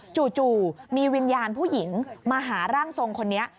จู่มีวิญญาณผู้หญิงมาหาร่างทรงคนนี้